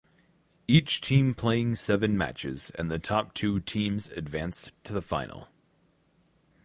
Each team playing seven matches and the top two teams advanced to the final.